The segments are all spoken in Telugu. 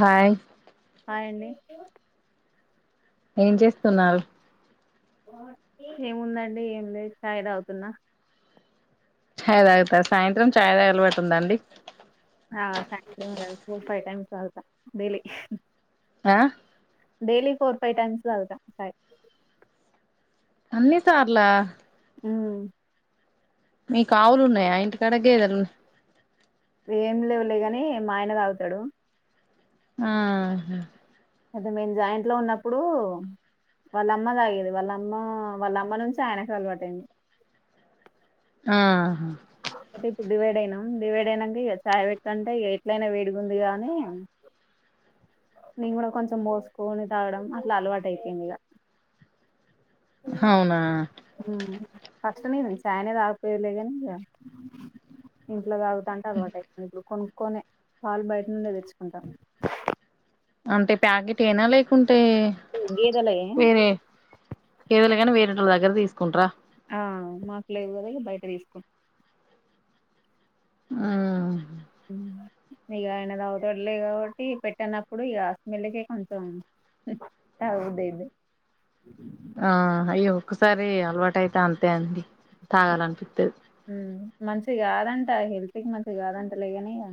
హాయ్ హాయ్ అండి. ఏం చేస్తున్నావ్ ఏముందండి ఏం లేదు చాయ్ దాగుతున్నా. చాయ్ తాగుతారు సాయంత్రం చాయ్ తాగే అలవాటు ఉందా అండి. ఆ సాయంత్రమే గాదు టు ఫైవ్ టైమ్స్ తాగుతా డైలీ. అ డైలీ ఫోర్ ఫైవ్స్ టైమ్స్ దాగుతా చాయ్ అన్ని సార్లా ఉ మీకు ఆవులు ఉన్నాయా ఇంటి కాడ గేదెలు. ఏం లేవులేగాని మాయన తాగుతాడు. ఆ అదే మేము జాయింట్లో ఉన్నప్పుడు వాళ్ళమ్మ తాగేది వాళ్ళమ్మ నుంచి ఆయనకు అలవాటైంది ఆ ఐతే ఇప్డు డివైడ్ అయినాం డివైడ్ అయినాంక ఇగ చాయ్ పెడ్తాంటే ఇగ ఎట్లయినా వేడిగుంది గ అని [inaudible] నేను గూడా కొంచెం బోసుకొని తాగడం అట్లా అలవాటైపోయింది ఇగ హవునా ఊ ఫస్ట్ నేను చాయనే తాగకపోయేలే గానీ ఇగ ఇంట్లో తాగు తంటే అల్వాటైపోయి ఇబ్బుడు కొనుక్కునే పాలు బయట నుండే దేచ్చుకుంటాం అంటే ప్యాకెటేనా లేకుంటే గేదెలయే వేరే ఏదోలే గానీ వేరేటోల్ల దగ్గర దీసుకుంటరా ఆ మాకులేవు గదా ఇగ బయట దీసుకు ఆ ఇగ ఆయన దావుతడలే కాబట్టి పెట్టన్నప్పుడు ఇగ స్మెల్కే కొంచెం తాగబుద్ధి అయ్యిద్ది ఆ అయ్యో ఒక్కసారి అలవాటు అయితే అంతే అండి తాగాలనిపిత్తది ఉ మంచిది గాదంట హెల్త్ కి మంచిది గాదంటలే గాని ఇగ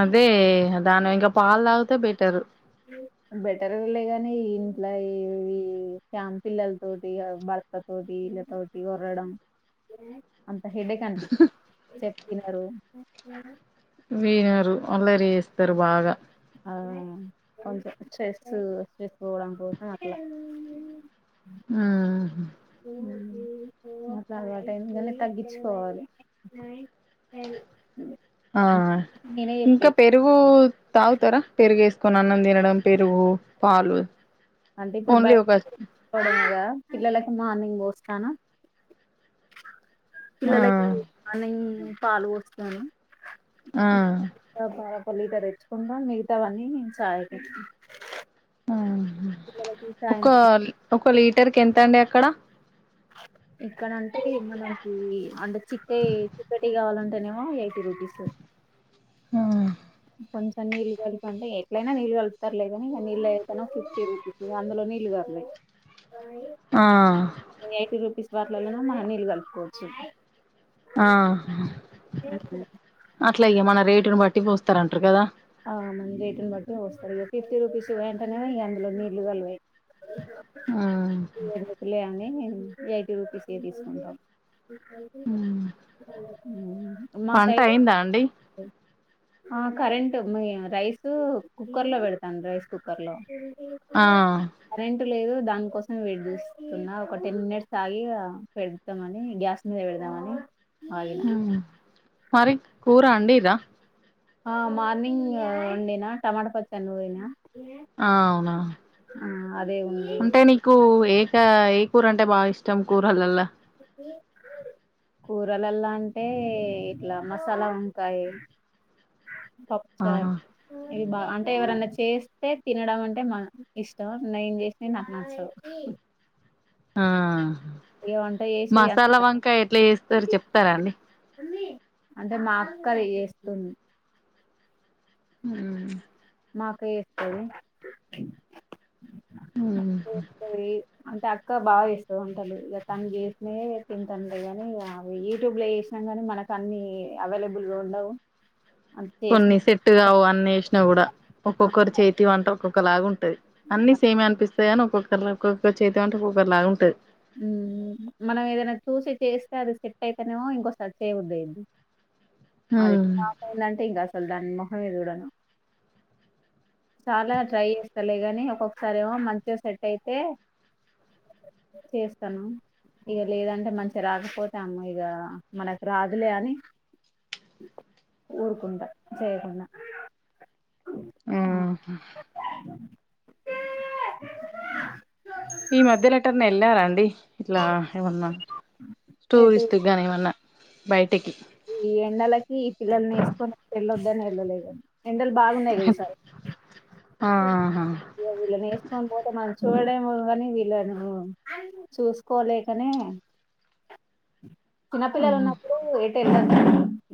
అదే దానివి ఇంక పాల్దాగితే బెటరు బెటరేలే గనీ ఇంట్ల ఇవి ఫ్యామ్ పిల్లల్తోటి అ వాళ్లతోటి ఈల్ల తోటి ఒర్రడం అంత హెడేక్ అనిపి చెప్తినరు వినరు అల్లరి జేస్తరు బాగ అవును కొంచం స్ట్రెస్సూ స్ట్రెస్ పోవడం కోసం అట్ల ఊ [inaudible] అట్ట అలవాటైంది గని తగ్గిచ్చుకోవాలి ఆ ఇంక పె రుగూ తాగుతరా పెరుగేసుకొని అన్నం దినడం పెరుగు పాలు అంటిప్పుడు ఓన్లీ బయటి ఒక ఫుడ్ పడదుగా పిల్లలకు మార్నింగ్ బోస్తాన ఆ పిల్లలకు మార్నింగ్ పాలు పాలు బోస్తాను ఆ గ పాలొక్క లీటరు తెచ్చుకుంటం మిగతావన్నీ చాయకి పిల్లలకి ఒకా సాయంత్రం ఒక లీటర్కెంతండి అక్కడ ఇక్కడంటీ మనకి అంటే చీక్కయి చీక్కటియి కావాలంటెనేమో ఎయిటీ రూపీసు ఆ కొంచం నీళ్ళ గలిపంటె ఎట్లైనా నీళ్ళ కలుపుతరులేగనిగ నీళ్లైతనో ఫిఫ్టీ రూపీ ఇగ అందులో నీళ్లు గల్వయ్ ఆ ఎయిటీ రూపీస్ వాట్లల్లనేమో మనం నీళ్ళు గలుపుకోవచ్చు ఆ హ్ [unintelligible] అట్ల ఇగ మన రేటుని బట్టి పోస్తరంట్రు గద ఆ మన రేటుని బట్టి పోస్తరిగ ఫిఫ్టీ రూపీస్యి అయితేనేమో ఇగందులో నీళ్లుగల్వయ్ ఆ లే అని ఎయిటీ రూపీస్యే తీసుకుంటం మా పంట సైడ్ అయిందా అండి ఆ కరె టుంది రైసు కుక్కర్లో పెడతాను రైస్ కుక్కర్లో ఆ కరెంట్ లేదు దానికోసం వేట్ జేస్తున్న ఒక టెన్ మినిట్స్ ఆగిగ పెడ దమని గ్యాస్ మీద పెడదమని ఉ మరి కూర అండీర ఆ మార్నింగ్ వండినా టమాట పచ్చాడ్ నూరినా అవునా అదే ఉంది అంటే నీ కు ఏక ఏ కూరంటే బాగిష్టం కూరలల్ల [inaudible] కూరలల్లా అంటే ఇట్ల మసాలా వంకాయి పప్ చారు ఆ అంటే ఎవరన్న చేస్తే తినడం అంటే మన ఇష్టం నేను జేషినయ్ నాకు నచ్చవు ఆ ఇగ వంట చేసి మసాలా వంకాయెట్ల ఏస్తరు చెప్తరా అండి అంటే మా అక్కది జేస్తుంది ఊ మా అక్క ఏస్తది [unintelligible] అంటే అక్క బాగా ఏస్తది వంటలు తను జేసాద్ వంటలు తింటండలగాని అవి యూట్యూబ్లా ఏష్ సాగాని మనకు అన్ని అవైలబుల్ గా ఉండవు. అంత చేసిన కొన్ని సెట్టుగావు ఆన్ ఏచ్చినా గూడా ఒక్కొక్కరు చేతి వంట ఒక్కొక్క లాగున్ అన్ని సమే అనిపిస్తాయ అని ఒక్కొక్కరు ఒక్కొక్కరు చేతం అంటే ఒక్కొక్కరిలా ఉంటది. ఉహ్మ్ మనం ఏదైనా చూసి చేస్తారు అది సెట్ అయితేనేమో ఇంకోసారి చేయబుద్ధి అయిది. అద్ పాపైల్ అంటే ఇంగా అసలు దాని ముొఖమే జూడను చాలా ట్రై ఏస్తలే గాని ఒక్కొక్కసారి ఏమో మంచిగా సెట్ అయితే చేస్తను. ఇగా లేదంటే మంచిగా రాకపోతే అమ్మ ఇగా మనకు రాదులే అని ఊరుకుంటా చేయకుండా ఓహ అ ఈ మధ్య ఏటన్నా ఏళ్ళారాండి ఇట్లా ఏమన్నా స్టూర్ ఎటు ఇస్టు. గానెమన్నా బయటికి ఈ ఎండలకి ఈ పిల్లల్ని ఏసుకొని ఏళ్ళొద్దనే ఏళ్ళలేదన్. ఎండలు బాగున్నాయి గా ఈసార్ ఆహా ఇగా వీళ్ళన్ ఏసుకొనిపోతే మంచోడేమో గానీ వీళ్ళను చూసుకోలేకనే కున్నపిల్లలు ఉన్నప్పుడు ఎట్ ఏలోదండి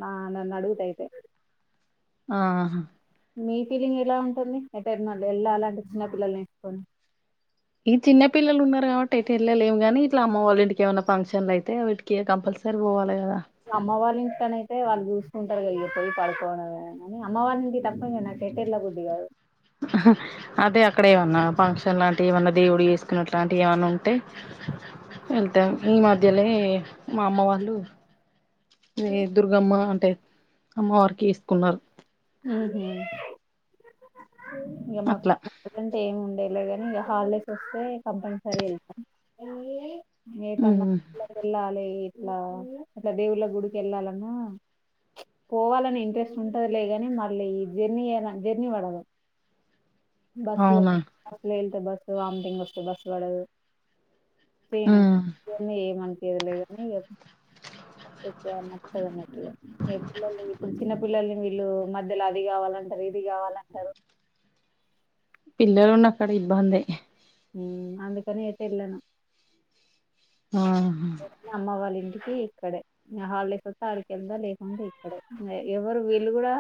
నా నన్ను అడుగుతయితే ఆహా మీ ఫీలింగ్ ఎలా ఉంటుంది. ఎటర్న్ ఏళ్లాలంటే చిన్న పిల్లల్నేసుకొని ఈ చిన్న పిల్లలు ఉన్నారు గవట్టి ఎట్ ఏళ్లలేవ్ గానీ ఇట్లా అమ్మ వాళ్ళ ఇంటికి ఏమైనా ఫంక్షన్లు అయితే కే కంపల్సరీ ఓవాలె గదా అమ్మ వాళ్ళింటికానైతే వాళ్ళు జూసుకుంటారుగా పోయి పడుకోవడంమే అని అమ్మవాళ్ళి ఇంటికి తప్ప ఎట్టేళ్ళబుద్ధి గాదు ఆహా అదే అక్కడ ఏమన్నా ఫంక్షన్ లాంటివి ఏమన్నా దేవుడు ఏసుకున్నట్ అట్లాటియ్ ఏమన్నా ఉంటే ఏళ్తాం ఈ మధ్యలే మా అమ్మ వాళ్ళు. ఏ దుర్గమ్మ అంటే అమ్మ వారికి ఇస్ ఉహుహ్ ఇగా మాక్ అట్లా అంటే ఏమి ఉండేలేగాని ఇగా హాలిడేస్ వస్తే కంపల్సరీ ఏళ్తాం. నేతన్నా ఉమ్ వెళ్ళాలి ఇట్లా ఇట్లా దేవుళ్ళ గుడికి ఏళ్ళాలన్నా పోవాలని ఇంట్రెస్ట్ ఉంటది లే గాని మళ్ళీ ఈ జర్నీ జర్నీ వడదు. బస్ అవునా బస్ లో వెళ్తే బస్సు వామ్ థింగ్ వస్తే బస్ వడదు. పే ఏమి ఉమ్ యేమి ఏం అన్పియలేద్ గానీ ఇగా ఎక్కువ నచ్చదు అన్నట్టు. మీ పిల్లలు ఇప్పుడు చిన్న పిల్లల్ని వీళ్ళు మధ్యలో అది గావాలంటరు ఇది గావాలంటరు పిల్లలు ఉన్న కాడా ఇబ్బందె ఉహ్మ్ అందుకనే ఏటేలను నహా నమ్మా వాళ్ళ ఇంటికి ఇక్కడే. ఇగా హాలిడేస్ వస్తే ఆడికెళ్దా లేకుంటె ఇక్కడె ఎవరు వీళ్ళు కూడా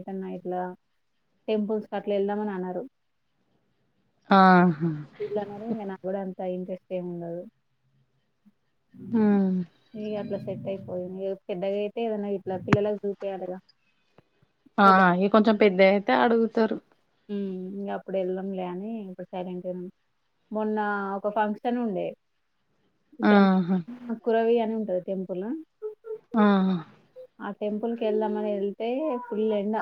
ఎటన్నా ఇట్లా టెంపుల్స్క్ అట్లా ఏళ్దామని అనరు. ఆహా గుడ్లనడం నాకూడా అంత ఇంట్రెస్ట్ ఏమి ఉండదు. ఉమ్ ఇ అట్లా సెట్ అయిపోయింది పెద్దగాయితే ఏమైనా ఇట్లా పిల్లలకు చూపీయాలిగా. ఆ ఇంకొంచెం పెద్ద అయితే అడుగుతారు. ఉమ్ ఇంగ అప్పుడెళ్ళం లే అని ఇప్పుడు సైలెంట్గానే. మొన్న ఒక ఫంక్షన్ ఉండే. ఇక్కడ ఆహా కురవి అని ఉంటది టెంపుల్. ఆ. ఆ టెంపుల్ కి వెళ్దామని వెళ్తే ఫుల్ ఎండ.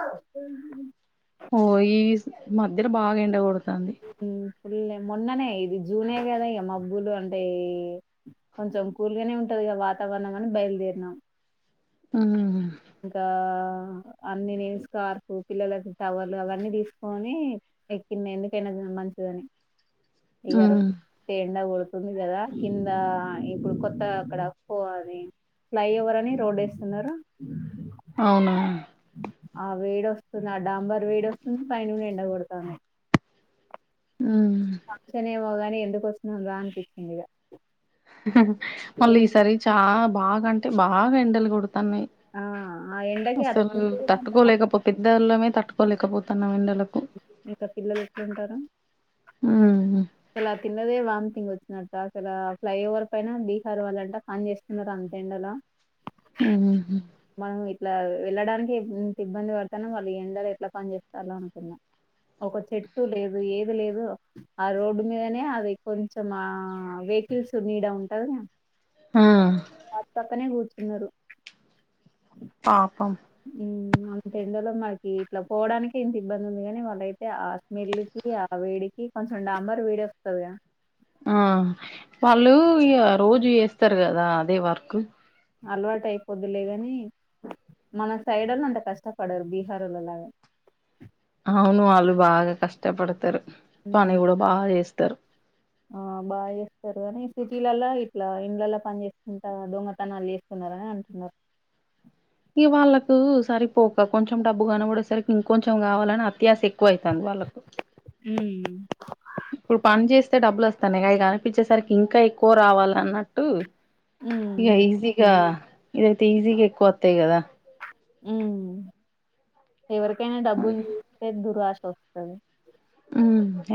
ఓ ఈ మధ్యలో బాగా ఎండకొడుతాంది. పుల్ మొన్ననే ఇది జూనే ఏం కదా మబ్బులు అంటే. కొంచెం కూల్గానే ఉంటదిగ వాతావరణం అని బయలుదేరినాం. ఆ. ఇంకా అన్ని స్కార్ఫ పిల్లలకు టవళ్లు అవన్నీ తీసుకోని. ఎక్కింది ఎందుకైనా మంచిదని ఇగారు. అంటే ఎండ కొడుతుంది కదా కింద ఇప్పుడు కొత్త అక్కడ ప్పు అది. ఫ్లై ఓవర్ అని రోడేస్తున్నరు. ఉ [inaudible] అవునా. ఆ వేడి వస్తుంది ఆ డాంబర్ వేడి వస్తుంది పైన నుండి ఎండగోడతాంది. ఆహ్. ఫంక్షనే మో గాని ఎందుకు వస్తున్నాంరా అనిపించింది ఇగ. ఉహ్ మళ్ళీ ఈసారి చాలా బాగాంటే బాగా ఎండలు కొడతున్నయ్. ఆ ఆ ఎండకి ఆ అసలు తిండి కూడా తట్టుకోలేకపో పెద్దోళ్ళమే తట్టుకోలేక పోతున్నమ్ ఎండలకు. ఇంకా పిల్లలు ఎట్లుంటరు. ఉమ్. ఇలా తిన్నదే వార్మిటింగ్ వచ్చినట్ట అసల ఫ్లైఓవర్ పైన బీహార్ వాళ్లంట పని చేస్తున్నారు అంతెండలా. ఆహ. మనం ఇట్లా వెళ్ళడానికి ఇంత ఇబ్బంది పడతన్నం వాళ్ళు ఎండలు ఎట్లా పని చేేస్తాలో అనుకున. ఒక చెట్టు లేదు ఏది లేదు ఆ రోడ్. మీదనే అది కొంచెం ఆ వెహికిల్స్ నీడ ఉంటది గా. ఆ. మా పక్కనే కూర్చున్నడు. పాపం. ఉమ్ అంతెండలో మనకి ఇట్లా పోవడానికి ఇంత ఇబ్బంది ఉంది కాని వాళ్ళయితే ఆ స్మెల్. కి ఆ వేడికి కొంచెం డాంబర్ వేడి వస్తది గా. ఆ వాళ్ళు ఇగ రోజు యేస్తరు గదా అదే వర్కు. అలవాటు అయిపోద్ లేగని మన సైడోల్లు కష్టపడరు బీహారోల్ల లాగా. అవును వాళ్ళు బాగా కష్టపడతరు ఉమ్, పని గూడా బాగా చేసతారు. ఆ బాగా చేస్తారు అని సిటీలల్ల ఇట్లా ఇండ్లలో పని చేస్తుంటా దొంగతనాలు. స్తున్నారని అంటునరు. ఇగ వాళ్ళకు సరికిపోక కొంచెం డబ్బు కనబడేసరికి ఇంకొంచెం కావాలని అత్యాస ఎక్కువయితాంది వాళ్ళకు. హ్మ్‌. ఇప్పుడు పని చేస్తే డబ్బులు వస్తాన్నాయి అవి కనిపించేసరికి ఇంకా ఎక్కువ రావాల అన్నట్టు. ఉమ్ ఇగ ఉమ్, ఈజీగా ఇదైతే ఈజీగా ఎక్కువ వత్తయి కదా. ఉమ్ ఎవరికైనా అని డబ్బులు జూస్తే దురాశ వస్తది. ఉ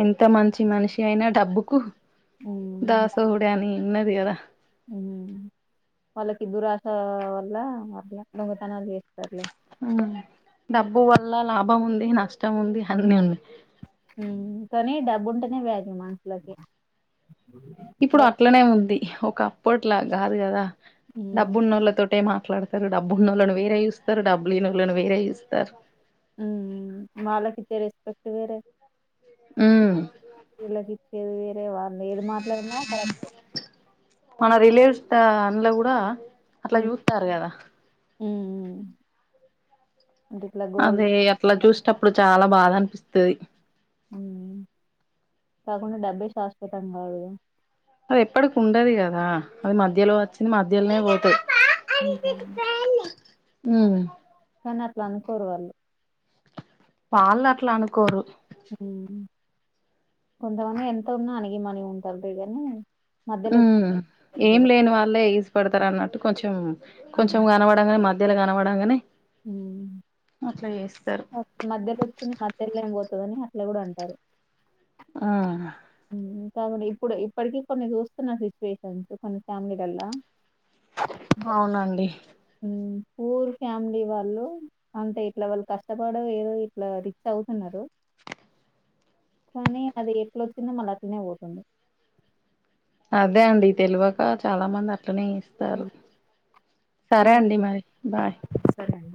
ఎంత మంచి మనిషి అయినా డబ్బుకు దాసోహుడే అని. ఉన్నది కదా. వాళ్ళకి దురాశా వల్ల అట్ల దొంగతనాలు చేస్తరులే. డబ్బు వల్ల లాభం ఉంది, నష్టం ఉంది అన్ని ఉన్నయి. కానీ డబ్బు ఉంటేనే వాల్యూ మనషులకి. ఇప్పుడు అట్లనే ఉంది ఒక అప్పట్లా కాదు కదా ఉమ్, డబ్బున్నోళ్ళతోటె మాట్లాడు రు డబ్బు ఉన్నోళ్ళను వేరే చూస్తరు, డబ్బులేనోళ్ళని వేరే చూస్తరు. వాళ్ళకిచ్చే రిస్పెక్ట్ వేరే. హ్ వీళ్ళకి ఇచ్చది వేరే వాల్ ఏది మాట్లాడినా కరెక్టే. మన రిలేవ్స్ ద అందులో కూడా అట్లా చూస్తాల్లు కదా. ఉ అదే అట్లా చూసేటప్పుడు చాలా బాధ అనిపిస్తది. కాకుండా డబ్బే శాశ్వతం కాదుగా. అది ఎప్పటికి ఉండది గదా అది మధ్యలో వచ్చింది మధ్యల్నే పోతది. మ్ హ్ కనీ అట్ల అనుకోరువాళ్ళు. వాళ్ళట్ల అనుకోరు. కొంతమంది ఎంత ఉన్నా అనిగి మనిగి ఉంటరులే కానీ. ఉ మధ్యలో వచ్చారు ఏం చూడు లేనివాళ్ళే ఎగిసి పడతరు అన్నట్టు కొంచెం కొంచెం కనపడంగనే మ ధ్యలా కనపడంగనే అట్లా చేస్తరు. మధ్యలో వచ్చింది మధ్యల్నే పోతదని అట్లా కూడా అంటరు. ఆ కాకుంటే ఇప్పుడు ఇప్పటికీ కొన్ని చూస్తున్న సిచ్యువేషన్స్ కొన్ని ఫ్యామిలీలల్లా అవునండి. పూర్ ఫ్యామిలీ వాళ్ళు. అంటే ఇట్లా వాళ్ళు కష్టపడో ఏదో ఇట్లా రిచ్ అవుతున్నరు. కానీ అది ఎట్డొచ్చిందో మళ్ళ అట్నే పోతుంది. అదే అండి తెలవక చాలా మంది అట్లనే ఇస్తరు, ఉమ్, మా సరే అండి మరి. బాయ్ సరే అండి